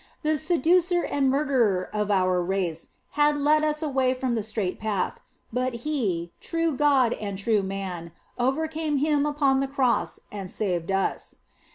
The seducer and murderer of our race had led us away from the straight path, but He, true God and true Man, overcame him upon the Cross and saved us.